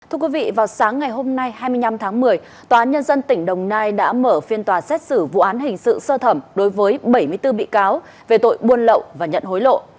thưa quý vị vào sáng ngày hôm nay hai mươi năm tháng một mươi tòa án nhân dân tỉnh đồng nai đã mở phiên tòa xét xử vụ án hình sự sơ thẩm đối với bảy mươi bốn bị cáo về tội buôn lậu và nhận hối lộ